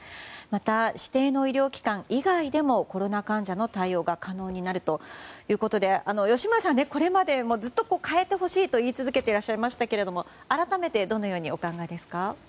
また指定の医療機関以外でもコロナ患者の対応が可能になるということで吉村さん、これまでもずっと変えてほしいと言い続けていらっしゃいましたが改めてどのようにお考えですか？